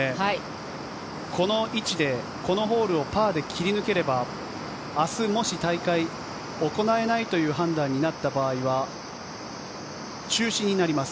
この位置でこのホールをパーで切り抜ければ明日、もし大会行えないという判断になった場合には中止になります。